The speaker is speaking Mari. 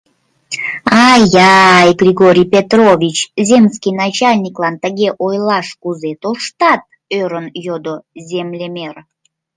— Ай-ай, Григорий Петрович, земский начальниклан тыге ойлаш кузе тоштат? — ӧрын йодо землемер.